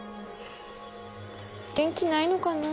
元気ないのかな？